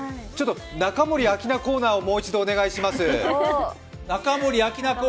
中森明菜コーナーをもう一度お願いします。